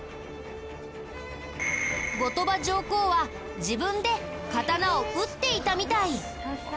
後鳥羽上皇は自分で刀を打っていたみたい。